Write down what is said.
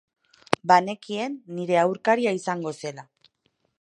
Banekien nire aurkaria izango zela.